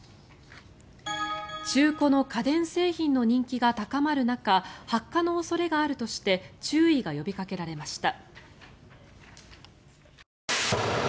中古の家電製品の人気が高まる中発火の恐れがあるとして注意が呼びかけられました。